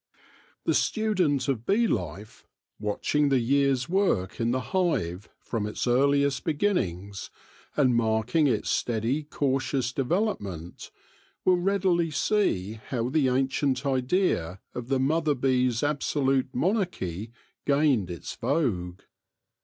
The student of bee life, watching the year's work in the hive from its earliest beginnings, and marking its steady, cautious development, will readily see how the ancient idea of the mother bee's absolute mon archy gained its vogue.